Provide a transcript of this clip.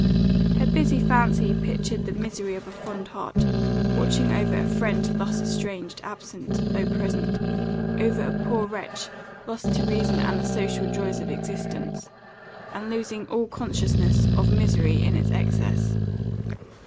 Her busy fancy pictured the misery of a fond heart, watching over a friend thus estranged, absent, though present over a poor wretch lost to reason and the social joys of existence; and losing all consciousness of misery in its excess.